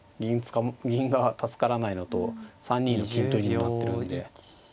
銀が助からないのと３二の金取りになってるんで。